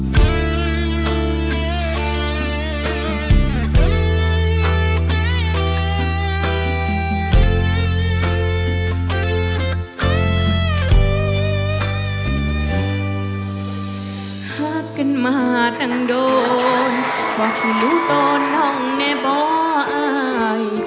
หากกันมาตั้งโดนว่าคิดรู้ตัวน้องแน่บ่าย